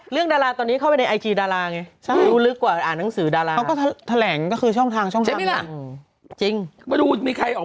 เรื่องดาราตอนนี้เข้าไปในไอจีดาราไง